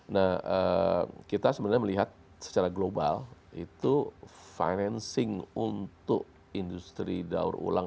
nah kita sebenarnya melihat secara global itu financing untuk industri daur ulang